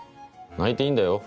泣いていいんだよ。